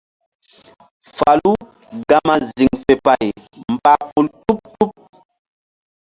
Falu gama ziŋ fe pay mbah pum tuɓ-tuɓ.